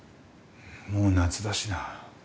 もう夏だしな。